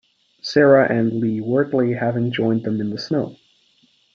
Sarah and Lee-Wortley having joined them in the snow.